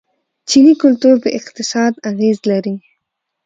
چیني کلتور په اقتصاد اغیز لري.